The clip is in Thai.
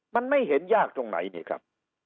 มันไม่เห็นยากตรงไหนนี่ครับ